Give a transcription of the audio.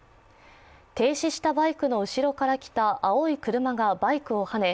停止したバイクの後ろから来た青い車がバイクをはね